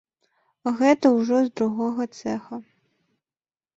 Гэта ўжо з другога цэха.